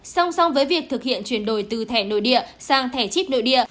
song song với việc thực hiện chuyển đổi từ thẻ nội địa sang thẻ chip nội địa